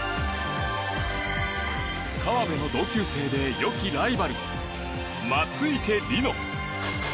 河辺の同級生でよきライバル松生理乃。